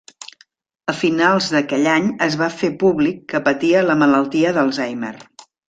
A finals d'aquell any es va fer públic que patia la malaltia d'Alzheimer.